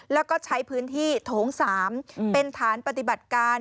แล้วก็ใช้พื้นที่โถง๓เป็นฐานปฏิบัติการ